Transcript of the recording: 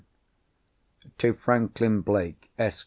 To Franklin Blake, Esq.